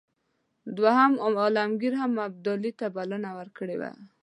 دوهم عالمګیر هم ابدالي ته بلنه ورکړې وه.